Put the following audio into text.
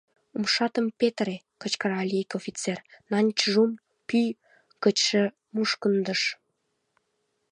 — Умшатам петыре! — кычкырале ик офицер, Нан Чжум пӱй гычше мушкындыш.